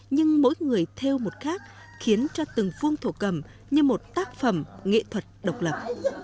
nhưng mỗi người theo một khác khiến cho từng phương thổ cầm như một tác phẩm nghệ thuật độc lập